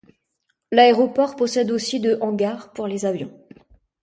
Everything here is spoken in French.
L'aéroport possède aussi de hangars pour les avions.